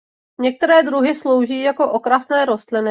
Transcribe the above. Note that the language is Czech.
Některé druhy slouží jako okrasné rostliny.